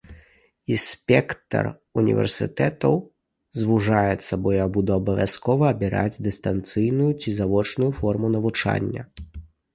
І спектр універсітэтаў звужаецца, бо я буду абавязкова абіраць дыстанцыйную ці завочную форму навучання.